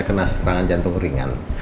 kena serangan jantung ringan